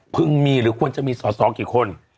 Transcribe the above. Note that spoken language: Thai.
มีหรือควรจะมีสอสอกี่คน